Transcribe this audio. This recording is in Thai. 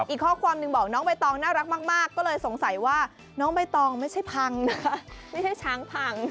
อีกข้อความหนึ่งบอกน้องใบตองน่ารักมากก็เลยสงสัยว่าน้องใบตองไม่ใช่พังนะไม่ใช่ช้างพัง